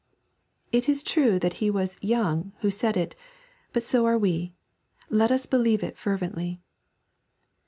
'It is true that he was "Young" who said it, but so are we; let us believe it fervently.'